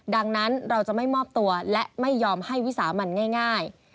ดังนั้นเราจะไม่มอบตัวและไม่ยอมให้วิสามันง่าย